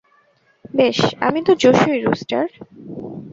বেশ, আমি তো জোশই, রুস্টার।